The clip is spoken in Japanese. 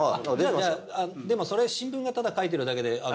でもそれ新聞がただ書いてるだけで。